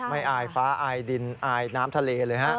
อายฟ้าอายดินอายน้ำทะเลเลยฮะ